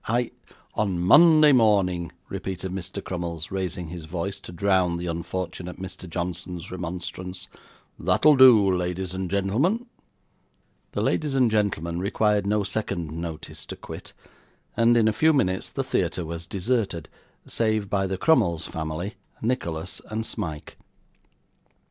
'I ' 'On Monday morning,' repeated Mr. Crummles, raising his voice, to drown the unfortunate Mr. Johnson's remonstrance; 'that'll do, ladies and gentlemen.' The ladies and gentlemen required no second notice to quit; and, in a few minutes, the theatre was deserted, save by the Crummles family, Nicholas, and Smike.